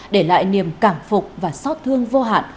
để lại niềm cảm phục và xót thương vô hạn